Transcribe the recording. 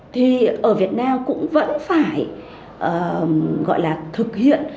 thì ở việt nam cũng vẫn phải thực hiện